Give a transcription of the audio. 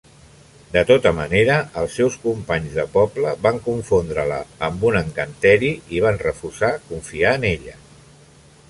De tota manera, els seus companys de poble van confondre-la amb un encanteri i van refusar confiar en ella.